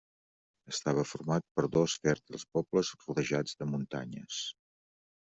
Estava format per dos fèrtils pobles rodejats de muntanyes.